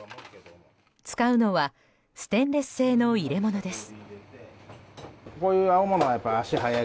使うのはステンレス製の入れ物です。